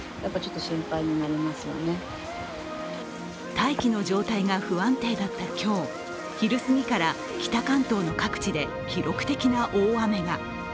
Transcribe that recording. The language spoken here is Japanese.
大気の状態が不安定だった今日、昼すぎから北関東の各地で記録的な大雨が。